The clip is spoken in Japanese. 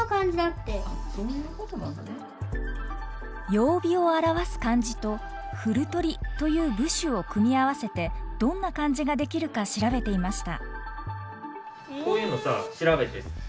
曜日を表す漢字とふるとりという部首を組み合わせてどんな漢字が出来るか調べていました。